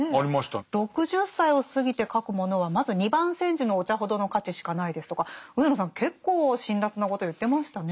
「６０歳を過ぎて書くものはまず二番煎じのお茶ほどの価値しかない」ですとか上野さん結構辛辣なことを言ってましたね。